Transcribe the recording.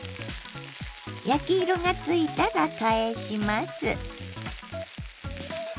焼き色がついたら返します。